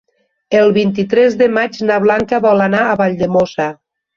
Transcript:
El vint-i-tres de maig na Blanca vol anar a Valldemossa.